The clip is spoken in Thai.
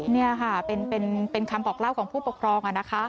นี่ค่ะเป็นคำบอกเล่าของผู้ปกครอง